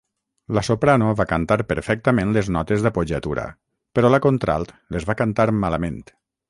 La soprano va cantar perfectament les notes d'appoggiatura però la contralt les va cantar malament.